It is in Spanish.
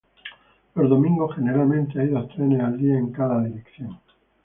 Los domingos generalmente hay dos trenes al día en cada dirección.